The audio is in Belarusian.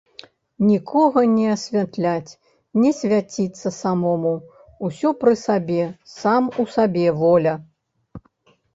Нікога не асвятляць, не свяціцца самому, усё пры сабе, сам у сабе, воля.